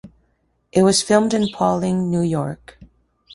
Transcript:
It was filmed in Pawling, New York.